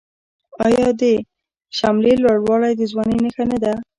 آیا د شملې لوړوالی د ځوانۍ نښه نه ده؟